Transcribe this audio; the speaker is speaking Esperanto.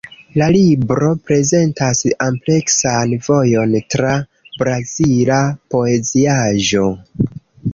La libro prezentas ampleksan vojon tra brazila poeziaĵo.